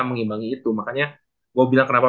mengimbangi itu makanya gua bilang kenapa